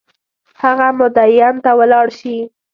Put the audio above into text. هغه مدین ته ولاړ شي.